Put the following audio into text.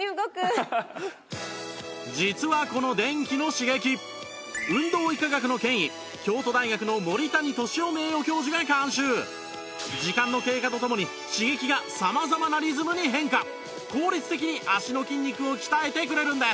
実はこの電気の刺激運動医科学の権威京都大学の森谷敏夫名誉教授が監修時間の経過とともに刺激が様々なリズムに変化効率的に足の筋肉を鍛えてくれるんです